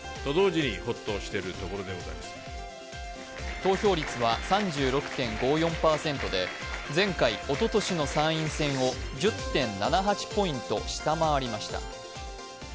投票率は３６．５４％で前回、おととしの参院選を１０．７８ポイント下回りました。